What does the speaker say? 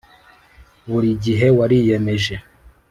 buri gihe wariyemeje